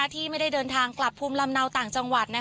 ที่ไม่ได้เดินทางกลับภูมิลำเนาต่างจังหวัด